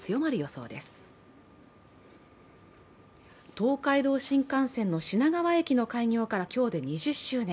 東海道新幹線の品川駅の開業から今日で２０周年。